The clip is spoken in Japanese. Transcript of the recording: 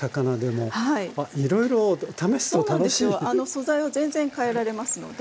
素材を全然変えられますので。